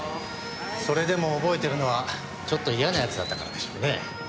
それでも覚えてるのはちょっと嫌な奴だったからでしょうね。